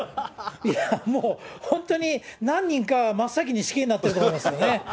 いやもう、本当に、何人かは真っ先に死刑になってると思いますよね。